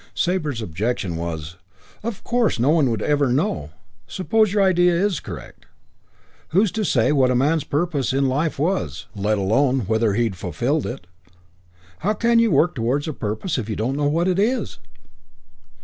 Sabre's objection was, "Of course no one would ever know. Suppose your idea's correct, who's to say what a man's purpose in life was, let alone whether he'd fulfilled it? How can you work towards a purpose if you don't know what it is?"